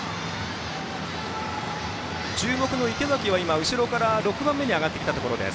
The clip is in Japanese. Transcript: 注目の池崎は後ろから６番目に上がったところ。